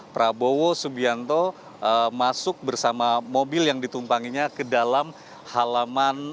prabowo subianto masuk bersama mobil yang ditumpanginya ke dalam halaman